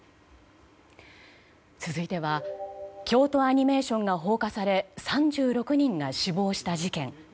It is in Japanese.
続いては京都アニメーションが放火され３６人が死亡した事件。